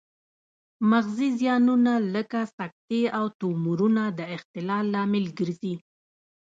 مغزي زیانونه لکه سکتې او تومورونه د اختلال لامل ګرځي